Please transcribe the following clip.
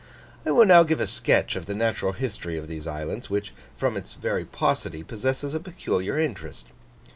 I will now give a sketch of the natural history of these islands, which, from its very paucity, possesses a peculiar interest.